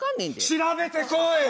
調べてこい！